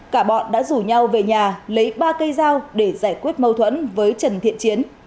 cả bọn đã rủ nhau về nhà lấy ba cây dao để giải quyết mâu thuẫn với trần thiện chiến